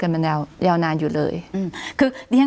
คุณปริณาค่ะหลังจากนี้จะเกิดอะไรขึ้นอีกได้บ้าง